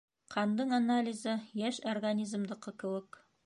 Ҡандың анализы - йәш организмдыҡы кеүек.